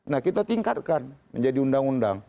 nah kita tingkatkan menjadi undang undang